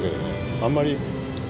あんまり。